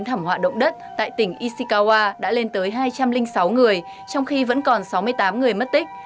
thảm họa động đất tại tỉnh ishikawa đã lên tới hai trăm linh sáu người trong khi vẫn còn sáu mươi tám người mất tích